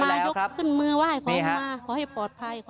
ขอให้ลูกกลับมายกขึ้นมือไหว้ขอให้ปลอดภัย